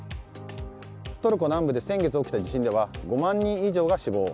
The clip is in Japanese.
トルコ南部で先月起きた地震では５万人以上が死亡。